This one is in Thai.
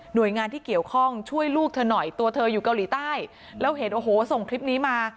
โดยงานที่เกี่ยวข้องช่วยลูกเธอหน่อยตัวเธออยู่เกาหลีใต้แล้วเห็นโอ้โหส่งคลิปนี้มา